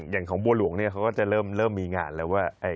อย่างของบัวหลวงเนี่ยเขาก็จะเริ่มมีงานแล้วว่า